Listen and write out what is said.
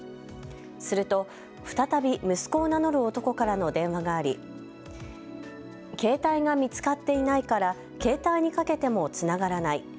すると再び息子を名乗る男からの電話があり携帯が見つかっていないから携帯にかけてもつながらない。